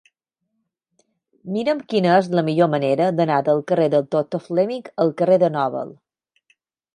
Mira'm quina és la millor manera d'anar del carrer del Doctor Fleming al carrer de Nobel.